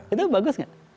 itu bagus gak